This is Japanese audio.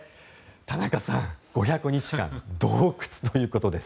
田中さん、５００日間洞窟ということです。